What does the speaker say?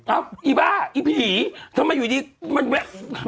อ้าวอีบ้าอีผีทำไมอยู่ดีกว่า